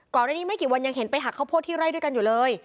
อันนี้ไม่กี่วันยังเห็นไปหักข้าวโพดที่ไร่ด้วยกันอยู่เลย